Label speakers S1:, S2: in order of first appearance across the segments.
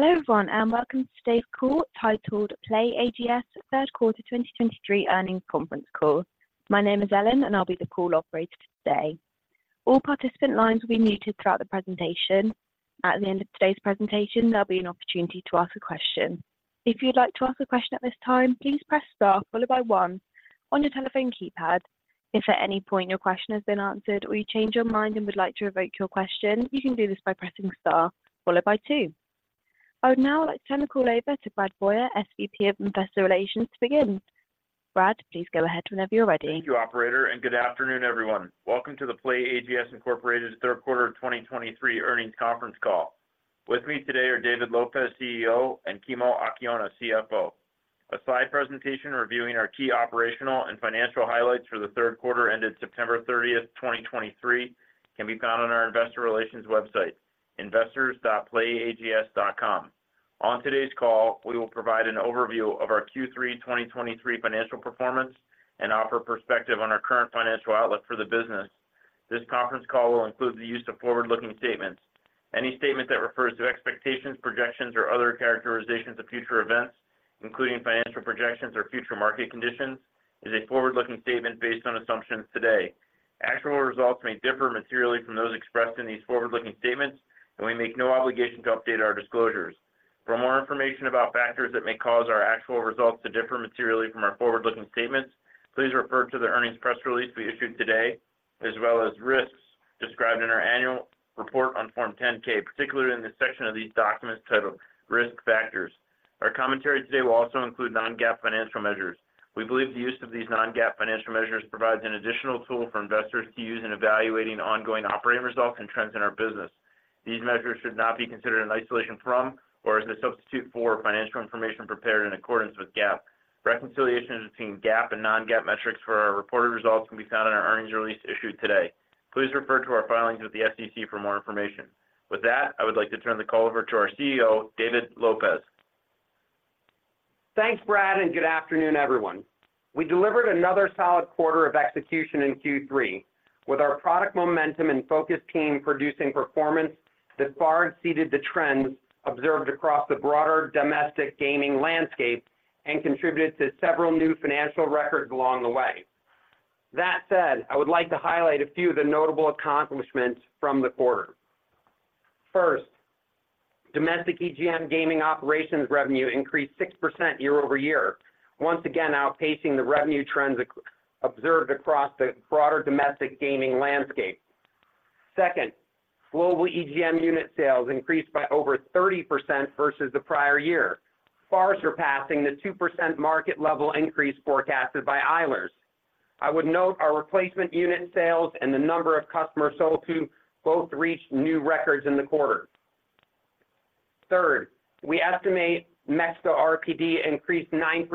S1: Hello, everyone, and welcome to today's call, titled: PlayAGS Third Quarter 2023 Earnings Conference Call. My name is Ellen, and I'll be the call operator for today. All participant lines will be muted throughout the presentation. At the end of today's presentation, there'll be an opportunity to ask a question. If you'd like to ask a question at this time, please press star followed by one on your telephone keypad. If at any point your question has been answered or you change your mind and would like to revoke your question, you can do this by pressing star followed by two. I would now like to turn the call over to Brad Boyer, SVP of Investor Relations, to begin. Brad, please go ahead whenever you're ready.
S2: Thank you, operator, and good afternoon, everyone. Welcome to the PlayAGS Incorporated Third Quarter 2023 Earnings Conference Call. With me today are David Lopez, CEO, and Kimo Akiona, CFO. A slide presentation reviewing our key operational and financial highlights for the third quarter ended September 30, 2023, can be found on our investor relations website, investors.playags.com. On today's call, we will provide an overview of our Q3 2023 financial performance and offer perspective on our current financial outlook for the business. This conference call will include the use of forward-looking statements. Any statement that refers to expectations, projections, or other characterizations of future events, including financial projections or future market conditions, is a forward-looking statement based on assumptions today. Actual results may differ materially from those expressed in these forward-looking statements, and we make no obligation to update our disclosures. For more information about factors that may cause our actual results to differ materially from our forward-looking statements, please refer to the earnings press release we issued today, as well as risks described in our annual report on Form 10-K, particularly in the section of these documents titled Risk Factors. Our commentary today will also include non-GAAP financial measures. We believe the use of these non-GAAP financial measures provides an additional tool for investors to use in evaluating ongoing operating results and trends in our business. These measures should not be considered in isolation from or as a substitute for financial information prepared in accordance with GAAP. Reconciliations between GAAP and non-GAAP metrics for our reported results can be found in our earnings release issued today. Please refer to our filings with the SEC for more information. With that, I would like to turn the call over to our CEO, David Lopez.
S3: Thanks, Brad, and good afternoon, everyone. We delivered another solid quarter of execution in Q3, with our product momentum and focused team producing performance that far exceeded the trends observed across the broader domestic gaming landscape and contributed to several new financial records along the way. That said, I would like to highlight a few of the notable accomplishments from the quarter. First, domestic EGM gaming operations revenue increased 6% year-over-year, once again outpacing the revenue trends observed across the broader domestic gaming landscape. Second, global EGM unit sales increased by over 30% versus the prior year, far surpassing the 2% market level increase forecasted by Eilers. I would note our replacement unit sales and the number of customers sold to both reached new records in the quarter. Third, we estimate Mexico RPD increased 9%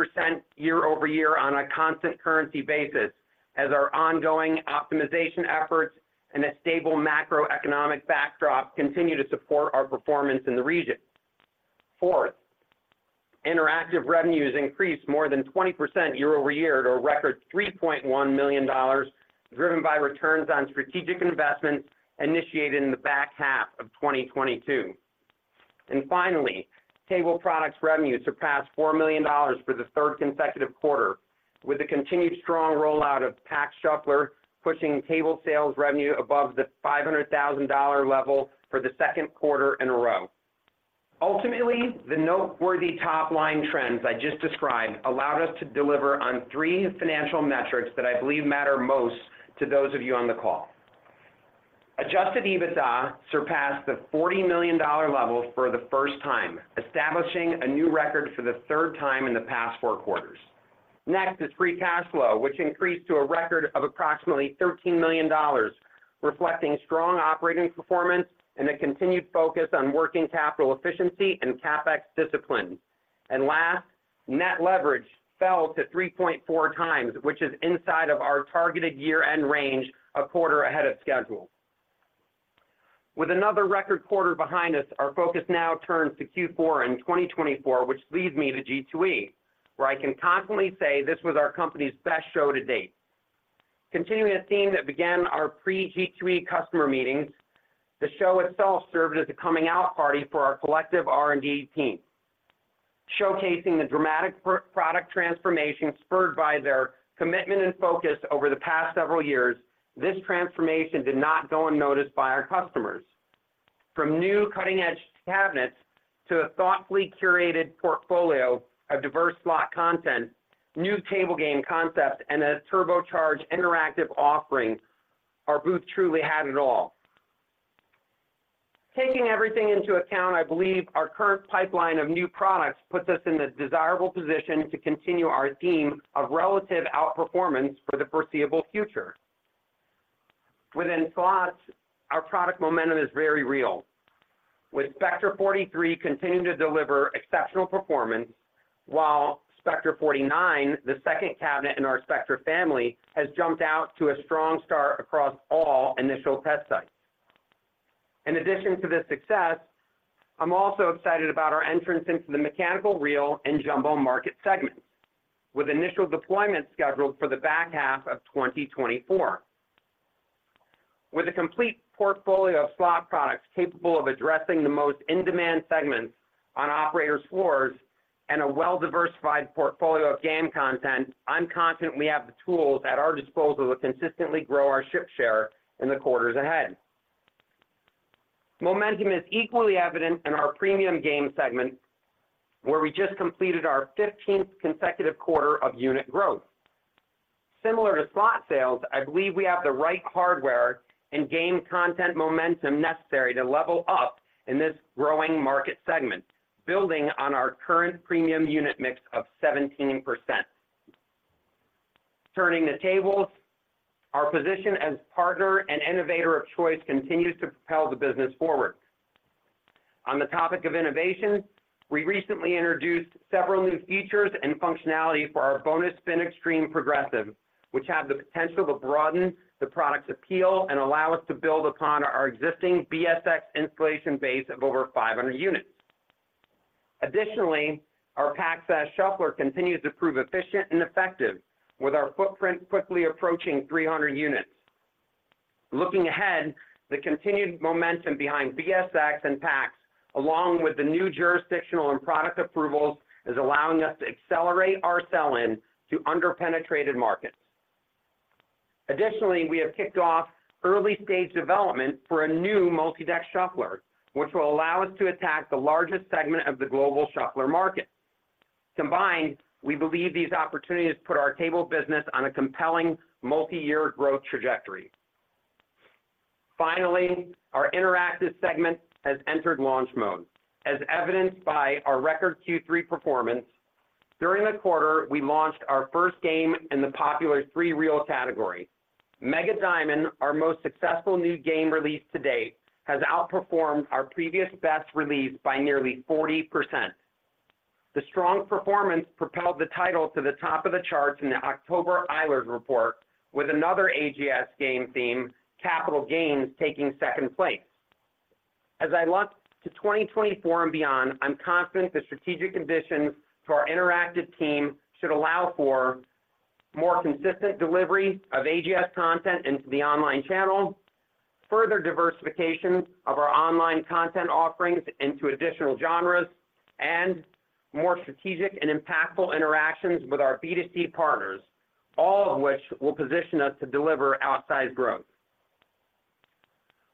S3: year-over-year on a constant currency basis as our ongoing optimization efforts and a stable macroeconomic backdrop continue to support our performance in the region. Fourth, interactive revenues increased more than 20% year-over-year to a record $3.1 million, driven by returns on strategic investments initiated in the back half of 2022. And finally, table products revenue surpassed $4 million for the third consecutive quarter, with the continued strong rollout of PAX shuffler, pushing table sales revenue above the $500,000 level for the second quarter in a row. Ultimately, the noteworthy top-line trends I just described allowed us to deliver on three financial metrics that I believe matter most to those of you on the call. Adjusted EBITDA surpassed the $40 million level for the first time, establishing a new record for the third time in the past 4 quarters. Next is free cash flow, which increased to a record of approximately $13 million, reflecting strong operating performance and a continued focus on working capital efficiency and CapEx discipline. Last, net leverage fell to 3.4 times, which is inside of our targeted year-end range, a quarter ahead of schedule. With another record quarter behind us, our focus now turns to Q4 in 2024, which leads me to G2E, where I can confidently say this was our company's best show to date. Continuing a theme that began our pre-G2E customer meetings, the show itself served as a coming-out party for our collective R&D team, showcasing the dramatic pro-product transformation spurred by their commitment and focus over the past several years. This transformation did not go unnoticed by our customers. From new cutting-edge cabinets to a thoughtfully curated portfolio of diverse slot content, new table game concepts, and a turbocharged interactive offering, our booth truly had it all. Taking everything into account, I believe our current pipeline of new products puts us in a desirable position to continue our theme of relative outperformance for the foreseeable future. Within slots, our product momentum is very real, with Spectra 43 continuing to deliver exceptional performance, while Spectra 49, the second cabinet in our Spectra family, has jumped out to a strong start across all initial test sites. In addition to this success, I'm also excited about our entrance into the mechanical reel and jumbo market segments, with initial deployment scheduled for the back half of 2024.... With a complete portfolio of slot products capable of addressing the most in-demand segments on operators' floors and a well-diversified portfolio of game content, I'm confident we have the tools at our disposal to consistently grow our ship share in the quarters ahead. Momentum is equally evident in our premium game segment, where we just completed our fifteenth consecutive quarter of unit growth. Similar to slot sales, I believe we have the right hardware and game content momentum necessary to level up in this growing market segment, building on our current premium unit mix of 17%. Turning to tables, our position as partner and innovator of choice continues to propel the business forward. On the topic of innovation, we recently introduced several new features and functionality for our Bonus Spin Xtreme Progressive, which have the potential to broaden the product's appeal and allow us to build upon our existing BSX installation base of over 500 units. Additionally, our PAX S shuffler continues to prove efficient and effective, with our footprint quickly approaching 300 units. Looking ahead, the continued momentum behind BSX and PAX, along with the new jurisdictional and product approvals, is allowing us to accelerate our sell-in to under-penetrated markets. Additionally, we have kicked off early-stage development for a new multi-deck shuffler, which will allow us to attack the largest segment of the global shuffler market. Combined, we believe these opportunities put our table business on a compelling multi-year growth trajectory. Finally, our interactive segment has entered launch mode, as evidenced by our record Q3 performance. During the quarter, we launched our first game in the popular three-reel category. Mega Diamond, our most successful new game release to date, has outperformed our previous best release by nearly 40%. The strong performance propelled the title to the top of the charts in the October Eilers report, with another AGS game theme, Capital Gains, taking second place. As I look to 2024 and beyond, I'm confident the strategic conditions to our interactive team should allow for more consistent delivery of AGS content into the online channel, further diversification of our online content offerings into additional genres, and more strategic and impactful interactions with our B2C partners, all of which will position us to deliver outsized growth.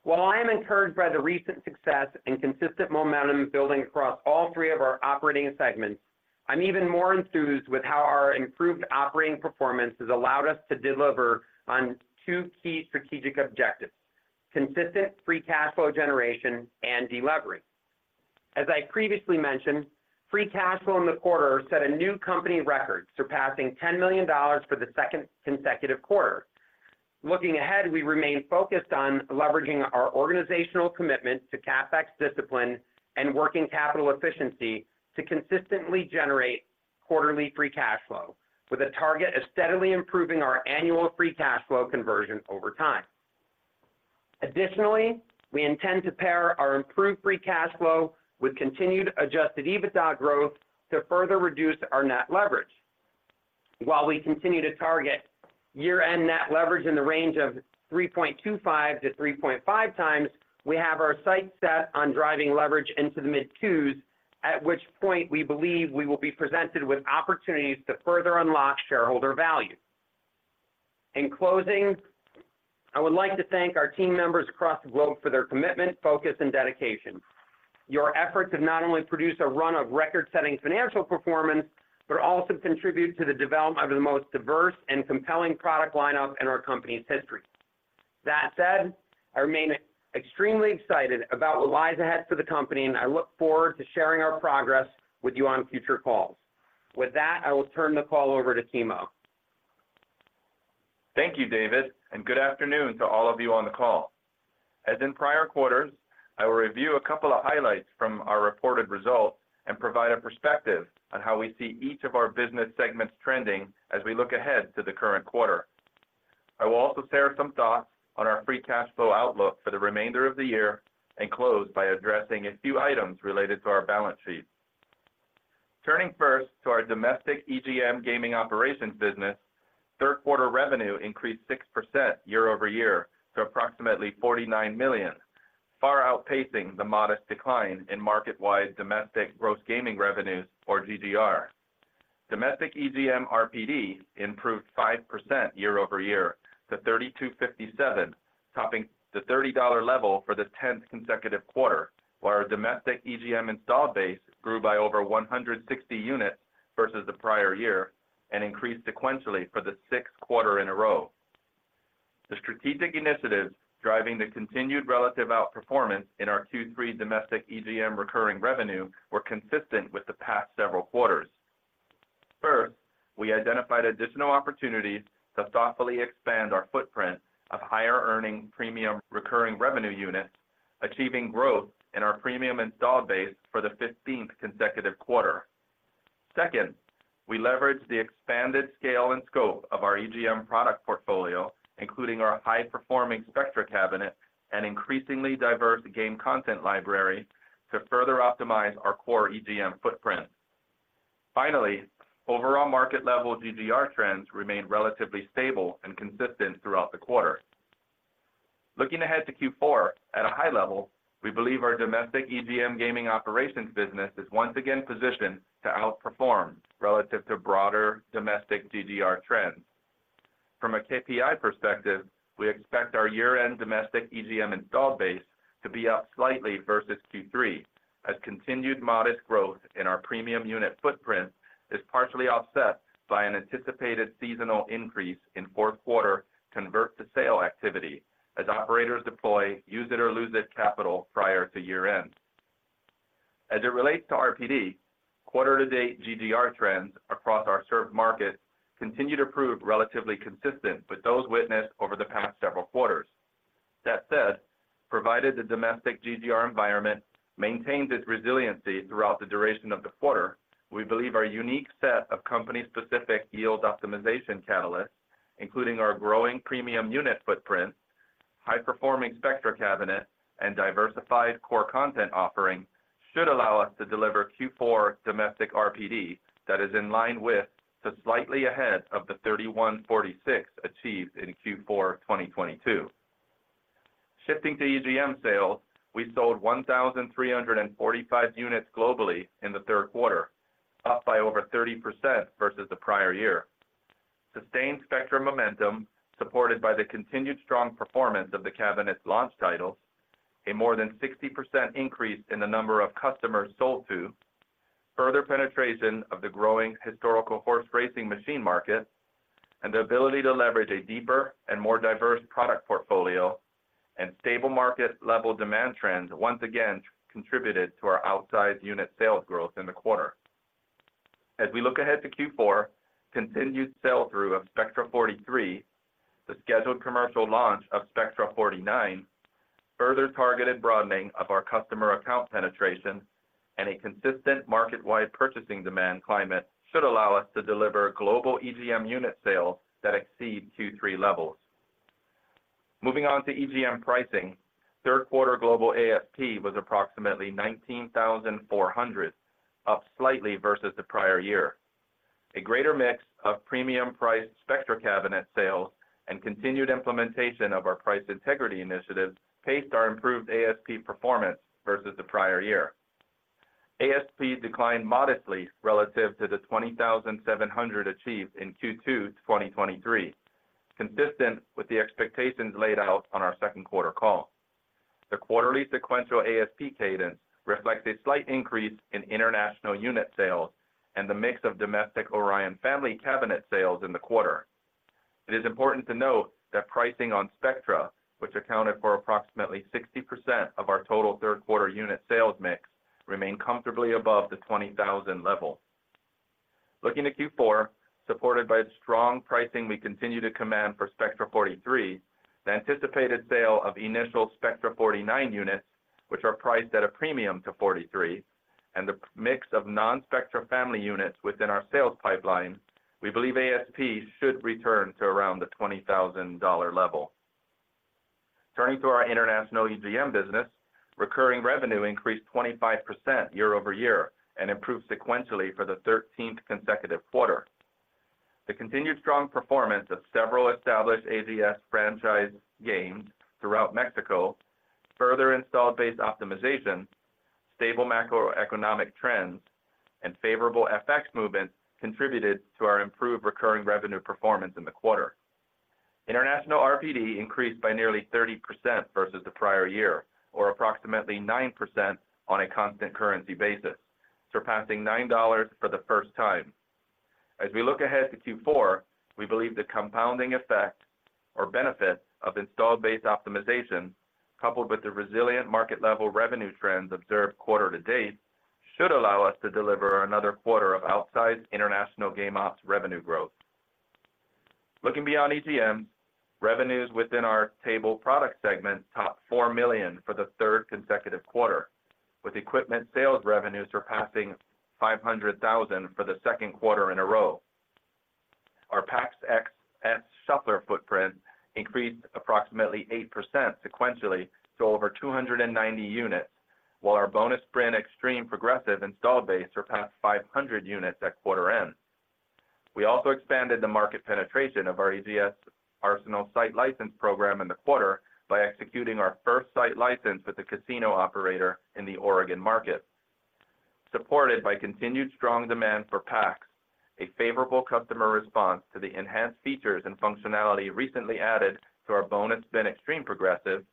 S3: While I am encouraged by the recent success and consistent momentum building across all three of our operating segments, I'm even more enthused with how our improved operating performance has allowed us to deliver on two key strategic objectives: consistent free cash flow generation and deleveraging. As I previously mentioned, free cash flow in the quarter set a new company record, surpassing $10 million for the second consecutive quarter. Looking ahead, we remain focused on leveraging our organizational commitment to CapEx discipline and working capital efficiency to consistently generate quarterly free cash flow, with a target of steadily improving our annual free cash flow conversion over time. Additionally, we intend to pair our improved free cash flow with continued adjusted EBITDA growth to further reduce our net leverage. While we continue to target year-end Net Leverage in the range of 3.25-3.5 times, we have our sights set on driving leverage into the mid-2s, at which point we believe we will be presented with opportunities to further unlock shareholder value. In closing, I would like to thank our team members across the globe for their commitment, focus, and dedication. Your efforts have not only produced a run of record-setting financial performance, but also contributed to the development of the most diverse and compelling product lineup in our company's history. That said, I remain extremely excited about what lies ahead for the company, and I look forward to sharing our progress with you on future calls. With that, I will turn the call over to Kimo.
S4: Thank you, David, and good afternoon to all of you on the call. As in prior quarters, I will review a couple of highlights from our reported results and provide a perspective on how we see each of our business segments trending as we look ahead to the current quarter. I will also share some thoughts on our free cash flow outlook for the remainder of the year, and close by addressing a few items related to our balance sheet. Turning first to our domestic EGM gaming operations business, third quarter revenue increased 6% year-over-year to approximately $49 million, far outpacing the modest decline in market-wide domestic gross gaming revenues or GGR. Domestic EGM RPD improved 5% year-over-year to $32.57, topping the $30 level for the 10th consecutive quarter, while our domestic EGM installed base grew by over 160 units versus the prior year and increased sequentially for the 6th quarter in a row. The strategic initiatives driving the continued relative outperformance in our Q3 domestic EGM recurring revenue were consistent with the past several quarters. First, we identified additional opportunities to thoughtfully expand our footprint of higher-earning premium recurring revenue units, achieving growth in our premium installed base for the 15th consecutive quarter. Second, we leveraged the expanded scale and scope of our EGM product portfolio, including our high-performing Spectra cabinet and increasingly diverse game content library, to further optimize our core EGM footprint.... Finally, overall market level GGR trends remained relatively stable and consistent throughout the quarter. Looking ahead to Q4, at a high level, we believe our domestic EGM gaming operations business is once again positioned to outperform relative to broader domestic GGR trends. From a KPI perspective, we expect our year-end domestic EGM installed base to be up slightly versus Q3, as continued modest growth in our premium unit footprint is partially offset by an anticipated seasonal increase in fourth quarter convert to sale activity, as operators deploy use it or lose it capital prior to year-end. As it relates to RPD, quarter to date GGR trends across our served markets continue to prove relatively consistent with those witnessed over the past several quarters. That said, provided the domestic GGR environment maintains its resiliency throughout the duration of the quarter, we believe our unique set of company-specific yield optimization catalysts, including our growing premium unit footprint, high-performing Spectra cabinet, and diversified core content offering, should allow us to deliver Q4 domestic RPD that is in line with to slightly ahead of the 31.46 achieved in Q4 2022. Shifting to EGM sales, we sold 1,345 units globally in the third quarter, up by over 30% versus the prior year. Sustained Spectra momentum, supported by the continued strong performance of the cabinet's launch titles, a more than 60% increase in the number of customers sold to, further penetration of the growing historical horse racing machine market, and the ability to leverage a deeper and more diverse product portfolio and stable market level demand trends once again contributed to our outsized unit sales growth in the quarter. As we look ahead to Q4, continued sell-through of Spectra 43, the scheduled commercial launch of Spectra 49, further targeted broadening of our customer account penetration, and a consistent market-wide purchasing demand climate should allow us to deliver global EGM unit sales that exceed Q3 levels. Moving on to EGM pricing, third quarter global ASP was approximately $19,400, up slightly versus the prior year. A greater mix of premium priced Spectra cabinet sales and continued implementation of our price integrity initiatives paced our improved ASP performance versus the prior year. ASP declined modestly relative to the $20,700 achieved in Q2 2023, consistent with the expectations laid out on our second quarter call. The quarterly sequential ASP cadence reflects a slight increase in international unit sales and the mix of domestic Orion family cabinet sales in the quarter. It is important to note that pricing on Spectra, which accounted for approximately 60% of our total third quarter unit sales mix, remained comfortably above the $20,000 level. Looking to Q4, supported by the strong pricing we continue to command for Spectra 43, the anticipated sale of initial Spectra 49 units, which are priced at a premium to 43, and the mix of non-Spectra family units within our sales pipeline, we believe ASP should return to around the $20,000 level. Turning to our international EGM business, recurring revenue increased 25% year-over-year and improved sequentially for the 13th consecutive quarter. The continued strong performance of several established AGS franchise games throughout Mexico, further installed base optimization, stable macroeconomic trends, and favorable FX movements contributed to our improved recurring revenue performance in the quarter. International RPD increased by nearly 30% versus the prior year, or approximately 9% on a constant currency basis, surpassing $9 for the first time. As we look ahead to Q4, we believe the compounding effect or benefit of installed base optimization, coupled with the resilient market level revenue trends observed quarter to date, should allow us to deliver another quarter of outsized international game ops revenue growth. Looking beyond EGM, revenues within our table product segment topped $4 million for the third consecutive quarter, with equipment sales revenues surpassing $500,000 for the second quarter in a row. Our PAX S shuffler footprint increased approximately 8% sequentially to over 290 units, while our Bonus Spin Xtreme Progressive installed base surpassed 500 units at quarter end. We also expanded the market penetration of our AGS Arsenal site license program in the quarter by executing our first site license with a casino operator in the Oregon market. Supported by continued strong demand for PAX, a favorable customer response to the enhanced features and functionality recently added to our Bonus Spin Xtreme Progressive,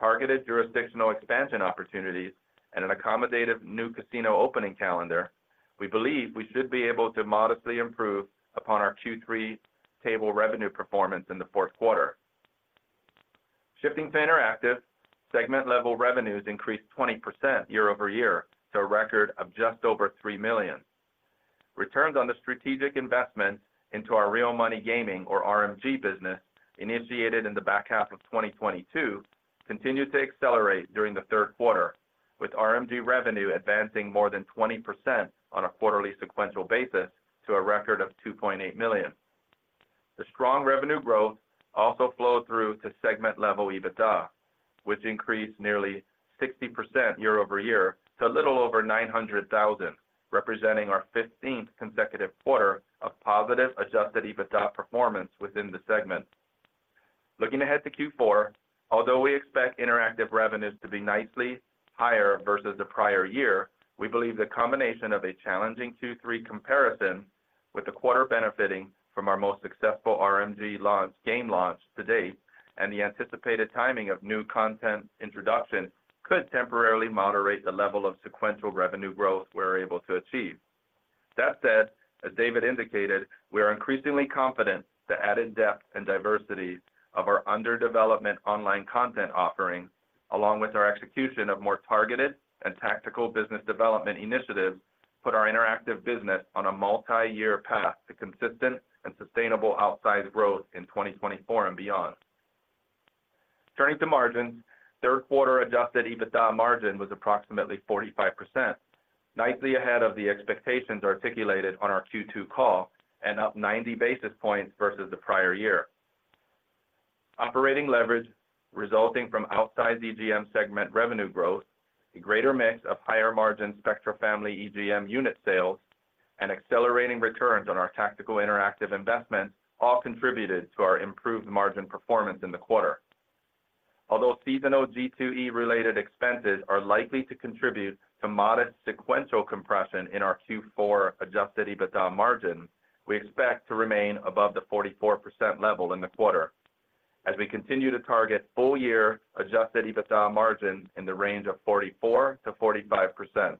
S4: targeted jurisdictional expansion opportunities, and an accommodative new casino opening calendar, we believe we should be able to modestly improve upon our Q3 table revenue performance in the fourth quarter. Shifting to interactive, segment-level revenues increased 20% year-over-year to a record of just over $3 million. Returns on the strategic investment into our real money gaming, or RMG, business, initiated in the back half of 2022, continued to accelerate during the third quarter, with RMG revenue advancing more than 20% on a quarterly sequential basis to a record of $2.8 million.... The strong revenue growth also flowed through to segment-level Adjusted EBITDA, which increased nearly 60% year-over-year to a little over $900,000, representing our 15th consecutive quarter of positive Adjusted EBITDA performance within the segment. Looking ahead to Q4, although we expect interactive revenues to be nicely higher versus the prior year, we believe the combination of a challenging Q3 comparison with the quarter benefiting from our most successful RMG launch, game launch to date, and the anticipated timing of new content introduction, could temporarily moderate the level of sequential revenue growth we're able to achieve. That said, as David indicated, we are increasingly confident the added depth and diversity of our under development online content offerings, along with our execution of more targeted and tactical business development initiatives, put our interactive business on a multi-year path to consistent and sustainable outsized growth in 2024 and beyond. Turning to margins, third quarter adjusted EBITDA margin was approximately 45%, nicely ahead of the expectations articulated on our Q2 call, and up 90 basis points versus the prior year. Operating leverage, resulting from outside the EGM segment revenue growth, a greater mix of higher margin Spectra family EGM unit sales, and accelerating returns on our tactical interactive investments, all contributed to our improved margin performance in the quarter. Although seasonal G2E-related expenses are likely to contribute to modest sequential compression in our Q4 adjusted EBITDA margin, we expect to remain above the 44% level in the quarter as we continue to target full year adjusted EBITDA margin in the range of 44%-45%.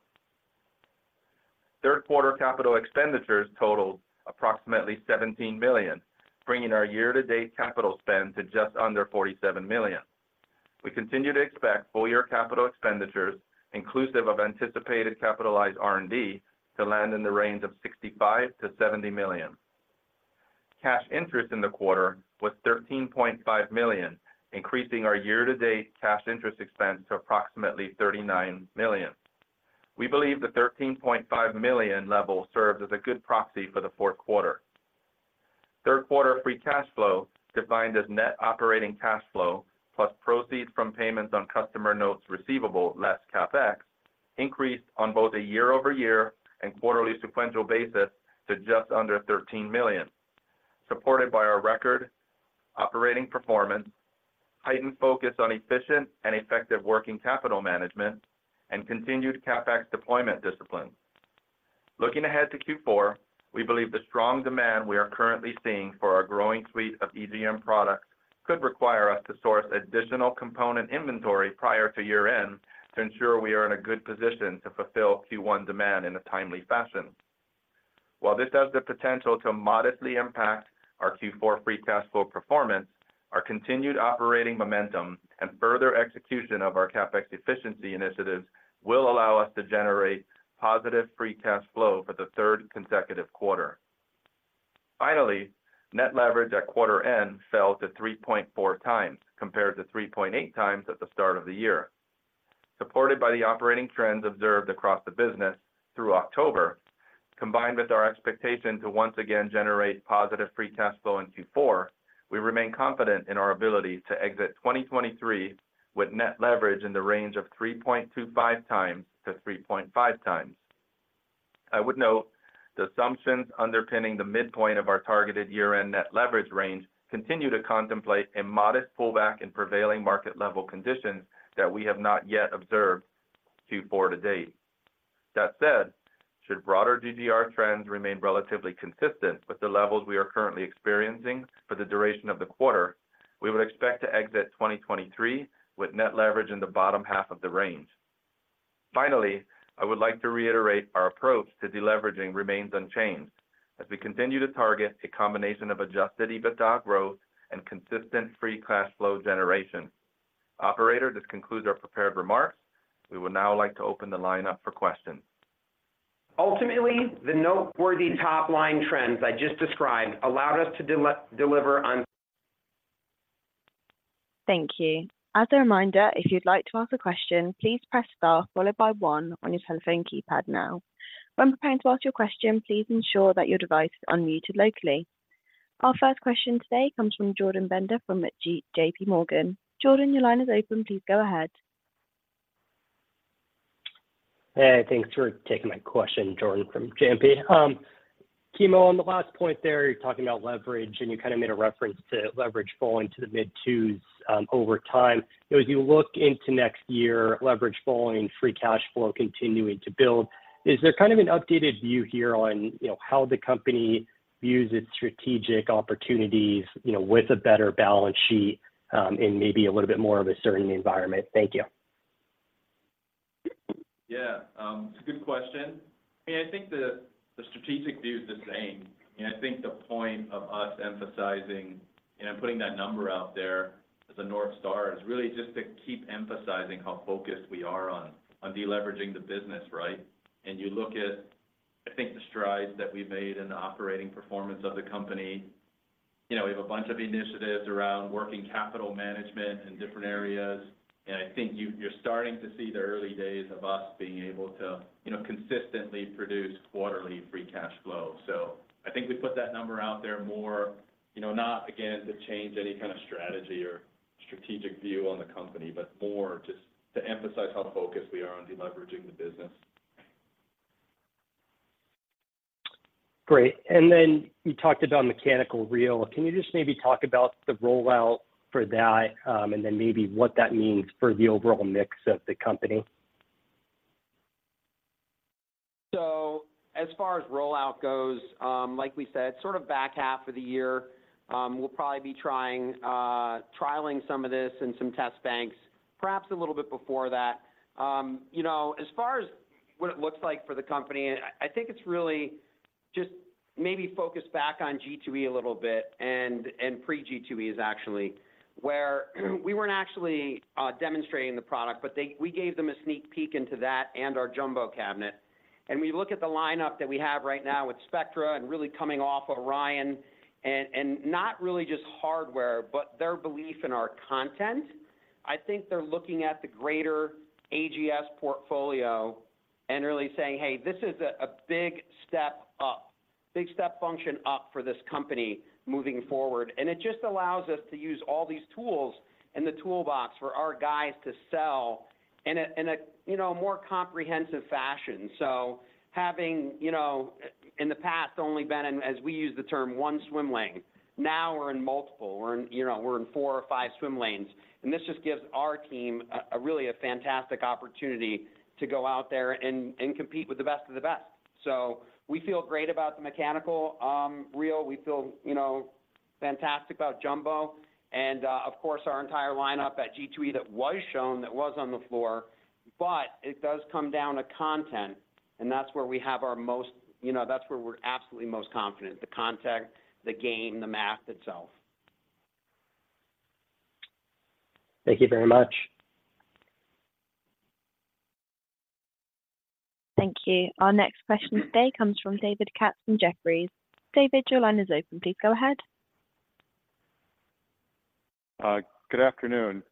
S4: Third quarter capital expenditures totaled approximately $17 million, bringing our year-to-date capital spend to just under $47 million. We continue to expect full-year capital expenditures, inclusive of anticipated capitalized R&D, to land in the range of $65 million-$70 million. Cash interest in the quarter was $13.5 million, increasing our year-to-date cash interest expense to approximately $39 million. We believe the $13.5 million level serves as a good proxy for the fourth quarter. Third quarter free cash flow, defined as net operating cash flow, plus proceeds from payments on customer notes receivable less CapEx, increased on both a year-over-year and quarterly sequential basis to just under $13 million, supported by our record operating performance, heightened focus on efficient and effective working capital management, and continued CapEx deployment discipline. Looking ahead to Q4, we believe the strong demand we are currently seeing for our growing suite of EGM products could require us to source additional component inventory prior to year-end to ensure we are in a good position to fulfill Q1 demand in a timely fashion. While this has the potential to modestly impact our Q4 free cash flow performance, our continued operating momentum and further execution of our CapEx efficiency initiatives will allow us to generate positive free cash flow for the third consecutive quarter. Finally, net leverage at quarter end fell to 3.4 times, compared to 3.8 times at the start of the year, supported by the operating trends observed across the business through October. Combined with our expectation to once again generate positive free cash flow in Q4, we remain confident in our ability to exit 2023 with net leverage in the range of 3.25x-3.5x. I would note, the assumptions underpinning the midpoint of our targeted year-end net leverage range continue to contemplate a modest pullback in prevailing market level conditions that we have not yet observed to Q4 to date. That said, should broader GDR trends remain relatively consistent with the levels we are currently experiencing for the duration of the quarter, we would expect to exit 2023 with net leverage in the bottom half of the range. Finally, I would like to reiterate our approach to deleveraging remains unchanged as we continue to target a combination of Adjusted EBITDA growth and consistent free cash flow generation. Operator, this concludes our prepared remarks. We would now like to open the line up for questions.
S3: Ultimately, the noteworthy top-line trends I just described allowed us to deliver on-
S1: Thank you. As a reminder, if you'd like to ask a question, please press star followed by one on your telephone keypad now. When preparing to ask your question, please ensure that your device is unmuted locally. Our first question today comes from Jordan Bender from JP Morgan. Jordan, your line is open. Please go ahead.
S5: Hey, thanks for taking my question, Jordan from JP. Kimo, on the last point there, you're talking about leverage, and you kind of made a reference to leverage falling to the mid-twos over time. You know, as you look into next year, leverage falling, free cash flow continuing to build, is there kind of an updated view here on, you know, how the company views its strategic opportunities, you know, with a better balance sheet, and maybe a little bit more of a certain environment? Thank you.
S4: Yeah, it's a good question. I mean, I think the strategic view is the same, and I think the point of us emphasizing and putting that number out there as a North Star is really just to keep emphasizing how focused we are on deleveraging the business, right? And you look at, I think, the strides that we've made in the operating performance of the company. You know, we have a bunch of initiatives around working capital management in different areas, and I think you're starting to see the early days of us being able to, you know, consistently produce quarterly free cash flow. So I think we put that number out there more, you know, not again, to change any kind of strategy or-
S3: ...strategic view on the company, but more just to emphasize how focused we are on deleveraging the business.
S5: Great. You talked about mechanical reel. Can you just maybe talk about the rollout for that, and then maybe what that means for the overall mix of the company?
S3: As far as rollout goes, like we said, sort of back half of the year, we'll probably be trying, trialing some of this in some test banks, perhaps a little bit before that. You know, as far as what it looks like for the company, I, I think it's really just maybe focused back on G2E a little bit and, and pre-G2Es actually, where we weren't actually, demonstrating the product, but they-- we gave them a sneak peek into that and our jumbo cabinet. We look at the lineup that we have right now with Spectra and really coming off Orion, and, and not really just hardware, but their belief in our content. I think they're looking at the greater AGS portfolio and really saying: "Hey, this is a, a big step up, big step function up for this company moving forward." And it just allows us to use all these tools in the toolbox for our guys to sell in a, in a, you know, more comprehensive fashion. So having, you know, in the past only been in, as we use the term, one swim lane, now we're in multiple. We're in, you know, we're in four or five swim lanes, and this just gives our team a, a really a fantastic opportunity to go out there and, and compete with the best of the best. So we feel great about the mechanical reel. We feel, you know, fantastic about jumbo and, of course, our entire lineup at G2E that was shown, that was on the floor. But it does come down to content, and that's where we have our most... You know, that's where we're absolutely most confident, the content, the game, the math itself.
S5: Thank you very much.
S1: Thank you. Our next question today comes from David Katz from Jefferies. David, your line is open. Please go ahead.
S6: Good afternoon.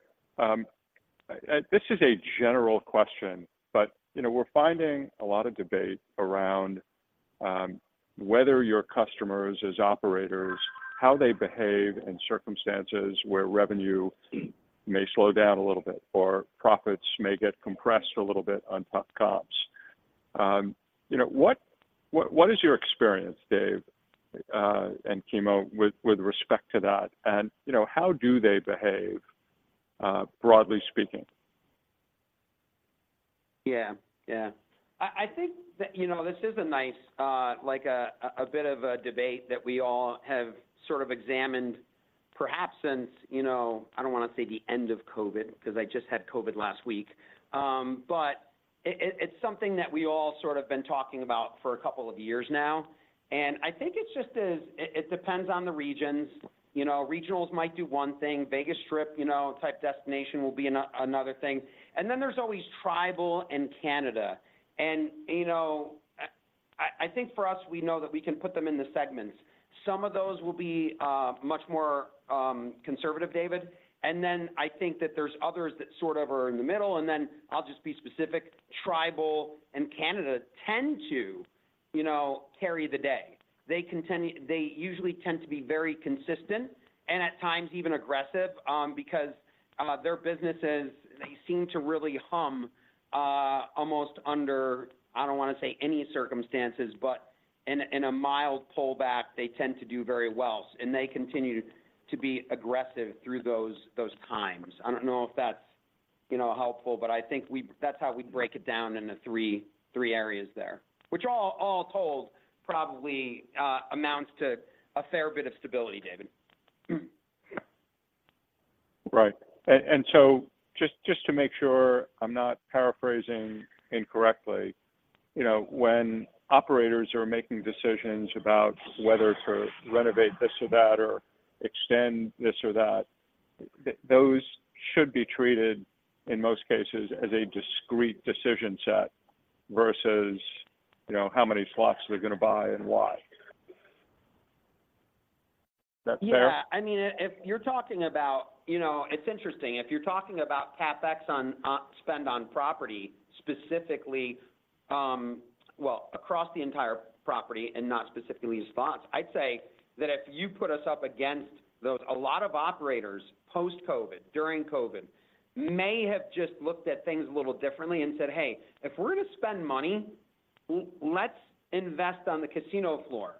S6: This is a general question, but, you know, we're finding a lot of debate around whether your customers as operators, how they behave in circumstances where revenue may slow down a little bit, or profits may get compressed a little bit on top comps. You know, what is your experience, Dave, and Kimo, with respect to that? And, you know, how do they behave, broadly speaking?
S3: Yeah. Yeah. I think that, you know, this is a nice, like a bit of a debate that we all have sort of examined, perhaps since, you know, I don't want to say the end of COVID, because I just had COVID last week. But it, it's something that we all sort of been talking about for a couple of years now, and I think it's just as... It depends on the regions. You know, regionals might do one thing, Vegas Strip, you know, type destination will be another thing, and then there's always tribal and Canada. And, you know, I think for us, we know that we can put them in the segments. Some of those will be much more conservative, David, and then I think that there's others that sort of are in the middle. And then I'll just be specific. Tribal and Canada tend to, you know, carry the day. They continue. They usually tend to be very consistent and at times even aggressive, because their businesses, they seem to really hum almost under, I don't want to say any circumstances, but in a mild pullback, they tend to do very well, and they continue to be aggressive through those times. I don't know if that's, you know, helpful, but I think, that's how we break it down into three areas there, which all told probably amounts to a fair bit of stability, David.
S6: Right. So just to make sure I'm not paraphrasing incorrectly, you know, when operators are making decisions about whether to renovate this or that, or extend this or that, those should be treated, in most cases, as a discrete decision set versus, you know, how many slots they're going to buy and why. Is that fair?
S3: Yeah. I mean, if you're talking about... You know, it's interesting, if you're talking about CapEx on spend on property specifically, well, across the entire property and not specifically slots, I'd say that if you put us up against those, a lot of operators post-COVID, during COVID, may have just looked at things a little differently and said: "Hey, if we're going to spend money, let's invest on the casino floor,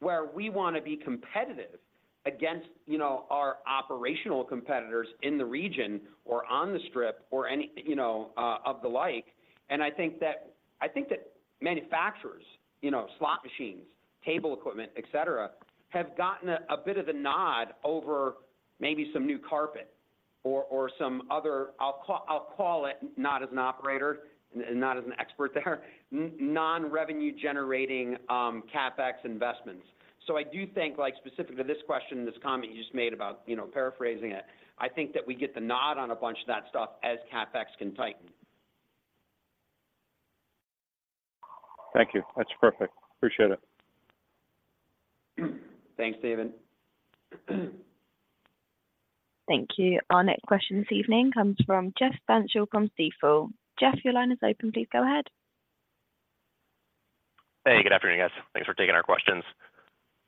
S3: where we want to be competitive against, you know, our operational competitors in the region or on the strip or any, you know, of the like." And I think that, I think that manufacturers, you know, slot machines, table equipment, et cetera, have gotten a bit of a nod over maybe some new carpet or some other... I'll call it, not as an operator and not as an expert there, non-revenue generating CapEx investments. So I do think, like, specific to this question and this comment you just made about, you know, paraphrasing it, I think that we get the nod on a bunch of that stuff as CapEx can tighten.
S6: Thank you. That's perfect. Appreciate it.
S3: Thanks, David.
S1: Thank you. Our next question this evening comes from Jeff Stantial from Stifel. Jeff, your line is open. Please go ahead....
S7: Hey, good afternoon, guys. Thanks for taking our questions.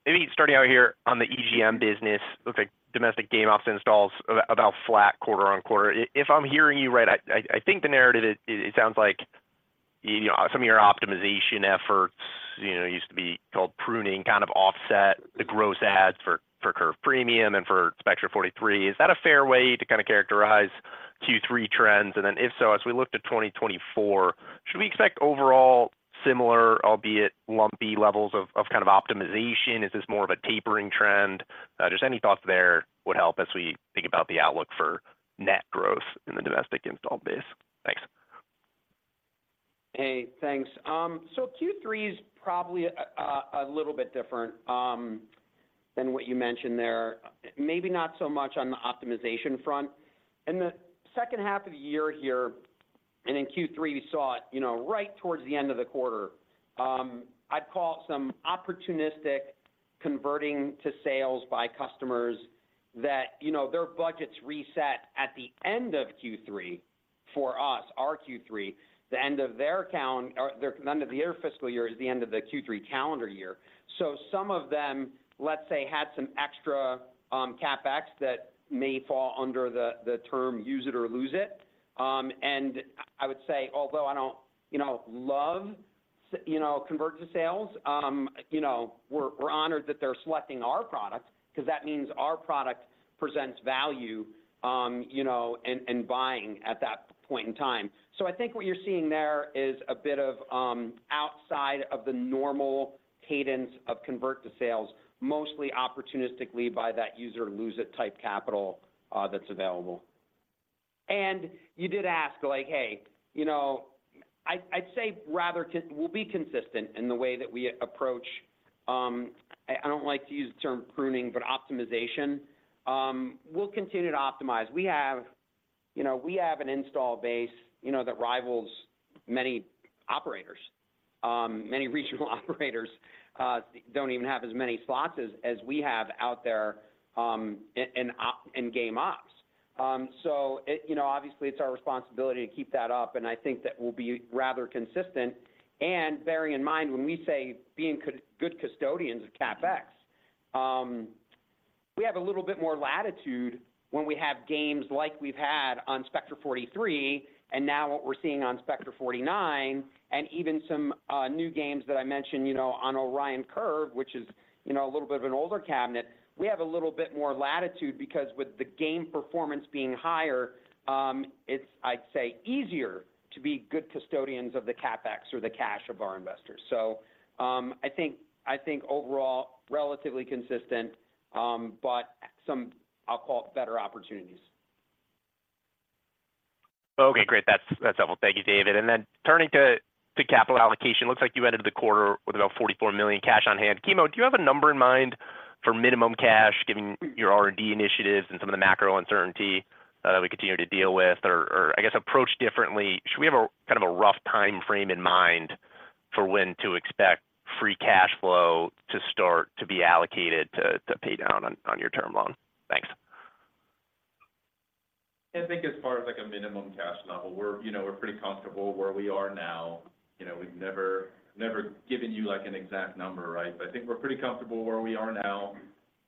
S7: Maybe starting out here on the EGM business, looks like domestic game ops installs about flat quarter-over-quarter. If I'm hearing you right, I think the narrative is, it sounds like, you know, some of your optimization efforts, you know, used to be called pruning, kind of offset the gross adds for Curve Premium and for Spectra 43. Is that a fair way to kind of characterize Q3 trends? And then, if so, as we look to 2024, should we expect overall similar, albeit lumpy, levels of kind of optimization? Is this more of a tapering trend? Just any thoughts there would help as we think about the outlook for net growth in the domestic install base. Thanks.
S3: Hey, thanks. So Q3 is probably a little bit different than what you mentioned there. Maybe not so much on the optimization front. In the second half of the year here, and in Q3, we saw it, you know, right towards the end of the quarter. I'd call some opportunistic converting to sales by customers that, you know, their budgets reset at the end of Q3 for us, our Q3. The end of their fiscal year is the end of the Q3 calendar year. So some of them, let's say, had some extra CapEx that may fall under the term use it or lose it. And I would say, although I don't, you know, love convert to sales, you know, we're honored that they're selecting our product, because that means our product presents value, you know, and buying at that point in time. So I think what you're seeing there is a bit of outside of the normal cadence of convert to sales, mostly opportunistically by that use or lose it type capital, that's available. And you did ask, like, "Hey, you know," I'd say rather we'll be consistent in the way that we approach. I don't like to use the term pruning, but optimization. We'll continue to optimize. We have, you know, we have an install base, you know, that rivals many operators. Many regional operators don't even have as many slots as we have out there in game ops. So it, you know, obviously, it's our responsibility to keep that up, and I think that we'll be rather consistent. And bearing in mind, when we say being good custodians of CapEx, we have a little bit more latitude when we have games like we've had on Spectra 43, and now what we're seeing on Spectra 49, and even some new games that I mentioned, you know, on Orion Curve, which is, you know, a little bit of an older cabinet. We have a little bit more latitude because with the game performance being higher, it's, I'd say, easier to be good custodians of the CapEx or the cash of our investors. So, I think overall, relatively consistent, but some, I'll call it, better opportunities.
S7: Okay, great. That's, that's helpful. Thank you, David. And then turning to, to capital allocation, looks like you ended the quarter with about $44 million cash on hand. Kimo, do you have a number in mind for minimum cash, given your R&D initiatives and some of the macro uncertainty that we continue to deal with? Or, or I guess approached differently, should we have a, kind of a rough timeframe in mind for when to expect free cash flow to start to be allocated to, to pay down on, on your term loan? Thanks.
S4: I think as far as, like, a minimum cash level, we're, you know, we're pretty comfortable where we are now. You know, we've never, never given you, like, an exact number, right? But I think we're pretty comfortable where we are now.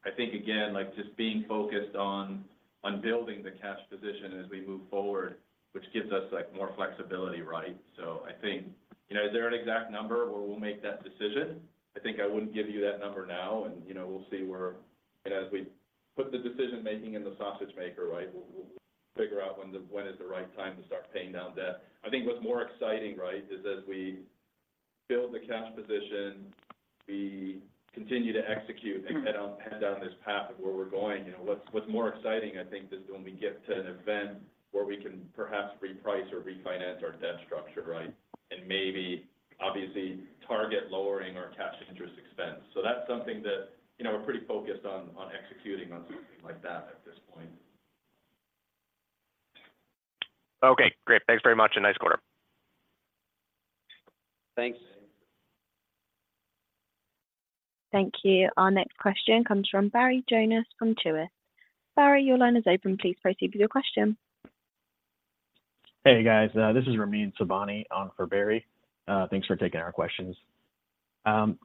S4: I think, again, like, just being focused on, on building the cash position as we move forward, which gives us, like, more flexibility, right? So I think... You know, is there an exact number where we'll make that decision? I think I wouldn't give you that number now. And, you know, we'll see where- as we put the decision-making in the sausage maker, right? We'll, we'll figure out when the, when is the right time to start paying down debt. I think what's more exciting, right, is as we build the cash position, we continue to execute and head on, head down this path of where we're going. You know, what's more exciting, I think, is when we get to an event where we can perhaps reprice or refinance our debt structure, right? And maybe obviously target lowering our cash interest expense. So that's something that, you know, we're pretty focused on executing on something like that at this point.
S7: Okay, great. Thanks very much, and nice quarter.
S3: Thanks.
S4: Thanks.
S1: Thank you. Our next question comes from Barry Jonas from Truist. Barry, your line is open. Please proceed with your question.
S8: Hey, guys, this is Ramin Sobhani on for Barry. Thanks for taking our questions.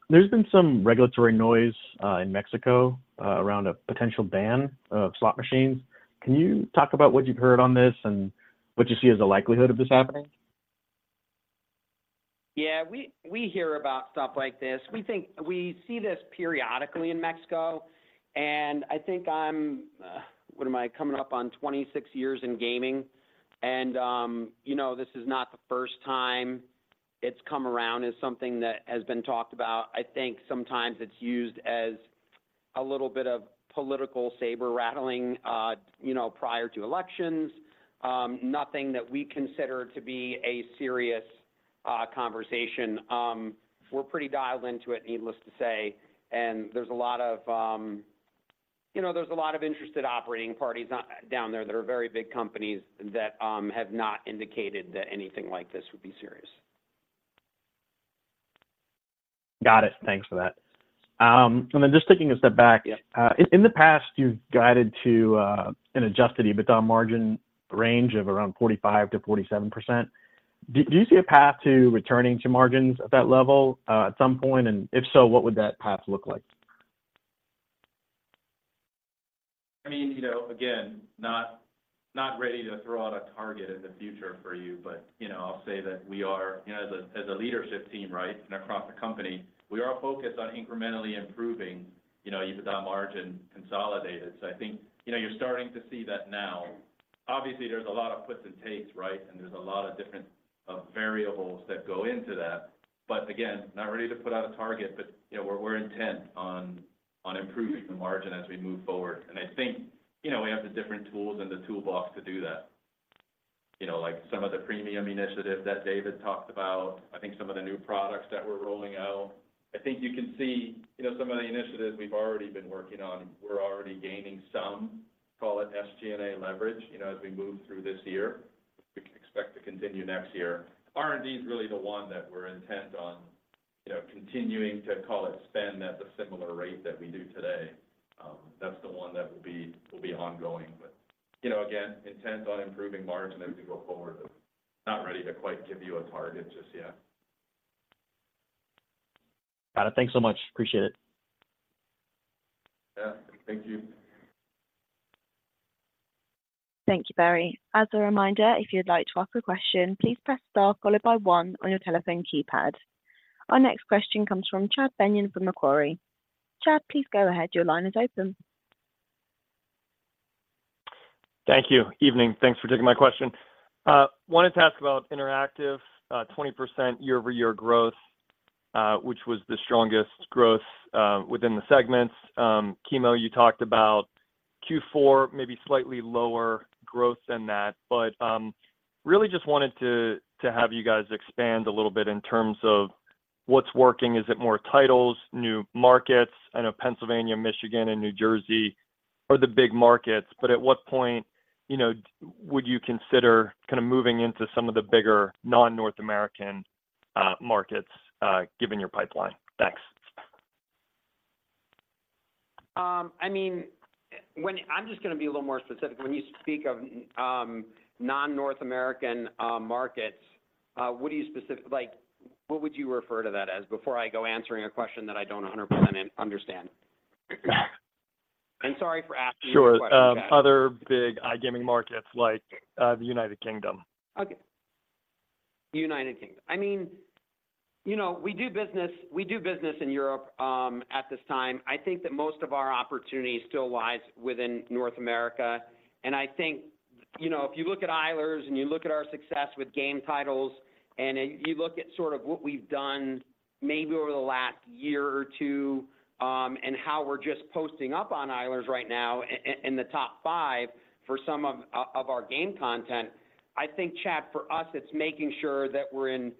S8: There's been some regulatory noise in Mexico around a potential ban of slot machines. Can you talk about what you've heard on this and what you see as the likelihood of this happening?
S3: Yeah, we hear about stuff like this. We see this periodically in Mexico, and I think I'm coming up on 26 years in gaming and, you know, this is not the first time it's come around as something that has been talked about. I think sometimes it's used as a little bit of political saber-rattling, you know, prior to elections. Nothing that we consider to be a serious conversation. We're pretty dialed into it, needless to say, and there's a lot of, you know, there's a lot of interested operating parties down there that are very big companies that have not indicated that anything like this would be serious.
S8: Got it. Thanks for that.... and then just taking a step back.
S3: Yeah.
S8: In the past, you've guided to an adjusted EBITDA margin range of around 45%-47%. Do you see a path to returning to margins at that level at some point? And if so, what would that path look like?
S4: I mean, you know, again, not ready to throw out a target in the future for you, but, you know, I'll say that we are, you know, as a leadership team, right, and across the company, we are focused on incrementally improving, you know, EBITDA margin consolidated. So I think, you know, you're starting to see that now. Obviously, there's a lot of puts and takes, right? And there's a lot of different variables that go into that. But again, not ready to put out a target, but, you know, we're intent on improving the margin as we move forward. And I think, you know, we have the different tools in the toolbox to do that. You know, like some of the premium initiatives that David talked about, I think some of the new products that we're rolling out. I think you can see, you know, some of the initiatives we've already been working on. We're already gaining some, call it SG&A leverage, you know, as we move through this year. We expect to continue next year. R&D is really the one that we're intent on, you know, continuing to call it spend at the similar rate that we do today. That's the one that will be, will be ongoing. But, you know, again, intent on improving margin as we go forward, but not ready to quite give you a target just yet.
S8: Got it. Thanks so much. Appreciate it.
S4: Yeah, thank you.
S1: Thank you, Barry. As a reminder, if you'd like to ask a question, please press star followed by one on your telephone keypad. Our next question comes from Chad Beynon from Macquarie. Chad, please go ahead. Your line is open.
S9: Thank you. Evening. Thanks for taking my question. Wanted to ask about interactive, 20% year-over-year growth, which was the strongest growth within the segments. Kimo, you talked about Q4, maybe slightly lower growth than that, but really just wanted to have you guys expand a little bit in terms of what's working. Is it more titles, new markets? I know Pennsylvania, Michigan, and New Jersey are the big markets, but at what point, you know, would you consider kind of moving into some of the bigger non-North American markets, given your pipeline? Thanks.
S3: I mean, I'm just going to be a little more specific. When you speak of non-North American markets, what do you, like, what would you refer to that as? Before I go answering a question that I don't 100% understand. Sorry for asking the question.
S9: Sure. Other big iGaming markets like the United Kingdom.
S3: Okay. United Kingdom. I mean, you know, we do business, we do business in Europe, at this time. I think that most of our opportunity still lies within North America, and I think, you know, if you look at Eilers and you look at our success with game titles, and you look at sort of what we've done maybe over the last year or two, and how we're just posting up on Eilers right now in, in the top five for some of our game content. I think, Chad, for us, it's making sure that we're in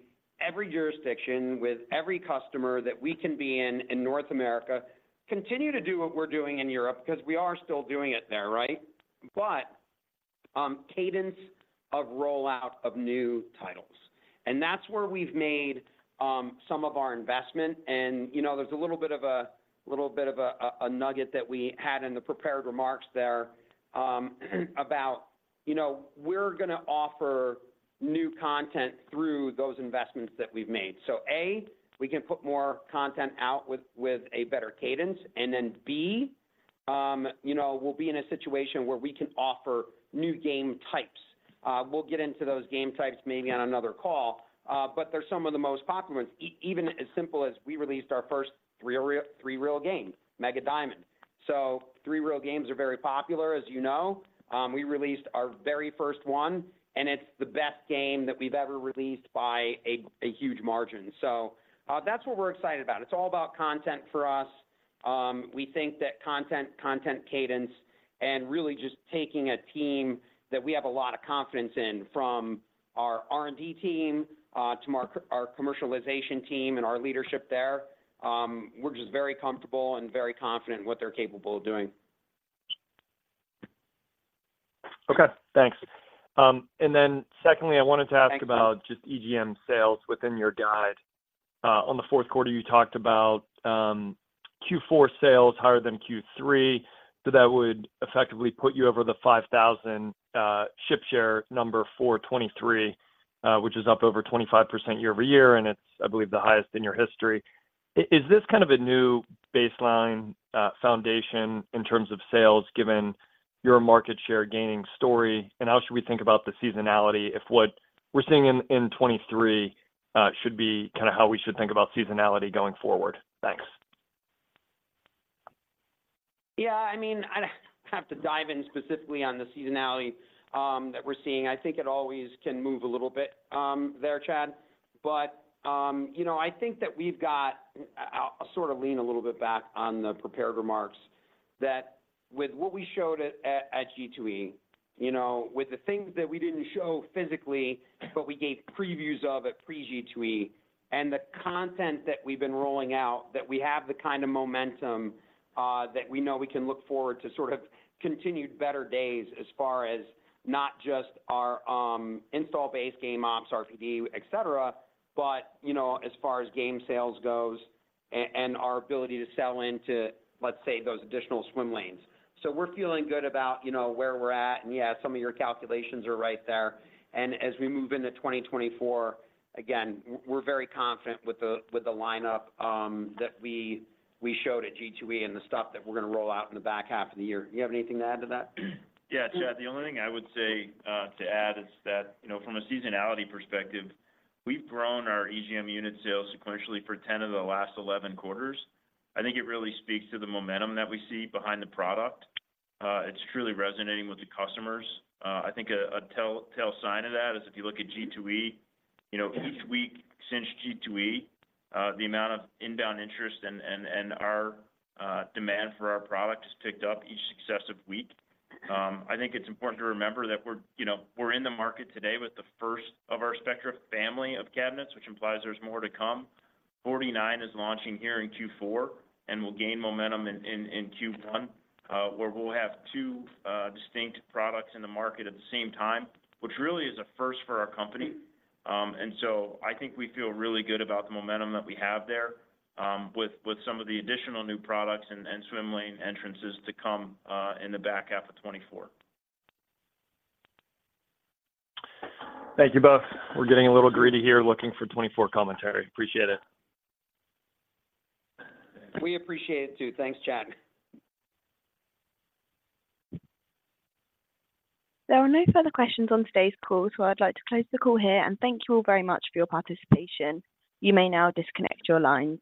S3: every jurisdiction with every customer that we can be in, in North America, continue to do what we're doing in Europe, because we are still doing it there, right? But, cadence of rollout of new titles. And that's where we've made some of our investment. You know, there's a little bit of a nugget that we had in the prepared remarks there, about, you know, we're gonna offer new content through those investments that we've made. So, A, we can put more content out with a better cadence, and then, B, you know, we'll be in a situation where we can offer new game types. We'll get into those game types maybe on another call, but they're some of the most popular ones, even as simple as we released our first three-reel games, Mega Diamond. So three-reel games are very popular, as you know. We released our very first one, and it's the best game that we've ever released by a huge margin. So, that's what we're excited about. It's all about content for us. We think that content, content cadence, and really just taking a team that we have a lot of confidence in, from our R&D team to our commercialization team and our leadership there, we're just very comfortable and very confident in what they're capable of doing.
S9: Okay, thanks. And then secondly, I wanted to ask-
S3: Thank you...
S9: about just EGM sales within your guide. On the fourth quarter, you talked about Q4 sales higher than Q3, so that would effectively put you over the 5,000 ship share number for 2023, which is up over 25% year-over-year, and it's, I believe, the highest in your history. Is this kind of a new baseline foundation in terms of sales, given your market share gaining story? And how should we think about the seasonality, if what we're seeing in 2023 should be kind of how we should think about seasonality going forward? Thanks.
S3: Yeah, I mean, I'd have to dive in specifically on the seasonality that we're seeing. I think it always can move a little bit there, Chad. But you know, I think that we've got... I'll sort of lean a little bit back on the prepared remarks, that with what we showed at G2E, you know, with the things that we didn't show physically, but we gave previews of at pre-G2E, and the content that we've been rolling out, that we have the kind of momentum that we know we can look forward to sort of continued better days as far as not just our install base, game ops, RPD, et cetera, but you know, as far as game sales goes and our ability to sell into, let's say, those additional swim lanes. So we're feeling good about you know, where we're at. Yeah, some of your calculations are right there. As we move into 2024, again, we're very confident with the, with the lineup that we, we showed at G2E and the stuff that we're going to roll out in the back half of the year. Do you have anything to add to that?
S4: Yeah, Chad, the only thing I would say to add is that, you know, from a seasonality perspective, we've grown our EGM unit sales sequentially for 10 of the last 11 quarters. I think it really speaks to the momentum that we see behind the product. It's truly resonating with the customers. I think a telltale sign of that is if you look at G2E, you know, each week since G2E, the amount of inbound interest and our demand for our product has picked up each successive week. I think it's important to remember that we're, you know, we're in the market today with the first of our Spectra family of cabinets, which implies there's more to come. 49 is launching here in Q4, and we'll gain momentum in Q1, where we'll have two distinct products in the market at the same time, which really is a first for our company. And so I think we feel really good about the momentum that we have there, with some of the additional new products and swim lane entrances to come, in the back half of 2024.
S9: Thank you both. We're getting a little greedy here, looking for 2024 commentary. Appreciate it.
S3: We appreciate it too. Thanks, Chad.
S1: There are no further questions on today's call, so I'd like to close the call here, and thank you all very much for your participation. You may now disconnect your line.